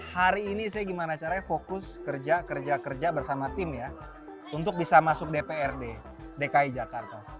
hari ini saya gimana caranya fokus kerja kerja bersama tim ya untuk bisa masuk dprd dki jakarta